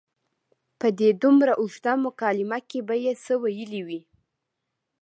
په دې دومره اوږده مکالمه کې به یې څه ویلي وي.